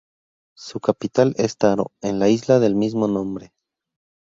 Su capital es Taro, en la isla del mismo nombre.